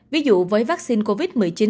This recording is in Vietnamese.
ví dụ với vaccine covid một mươi chín